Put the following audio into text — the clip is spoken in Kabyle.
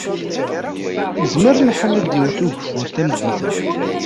Izmer lḥal ad d-iwwet ugeffur tameddit-a.